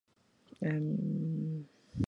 Prefieren áreas protegidas de arrecifes interiores.